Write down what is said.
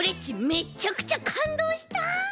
めちゃくちゃかんどうした！